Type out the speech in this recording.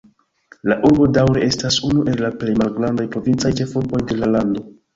La urbo daŭre estas unu el la plej malgrandaj provincaj ĉefurboj de la lando.